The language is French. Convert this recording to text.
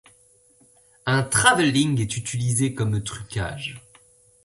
Un travelling est utilisé comme trucage.